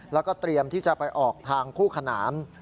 แล้วก็เตรียมที่จะไปออกทางคู่ขนาน